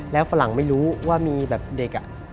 แล้วฝรั่งไม่รู้ว่ามีแบบเด็ก